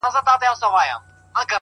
o او خپل سر يې د لينگو پر آمسا کښېښود؛